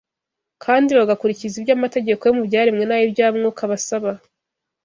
kandi bagakurikiza ibyo amategeko yo mu byaremwe n’ay’ibya Mwuka abasaba.